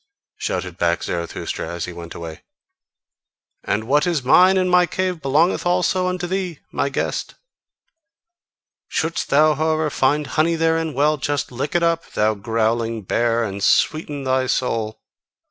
shouted back Zarathustra, as he went away: "and what is mine in my cave belongeth also unto thee, my guest! Shouldst thou however find honey therein, well! just lick it up, thou growling bear, and sweeten thy soul!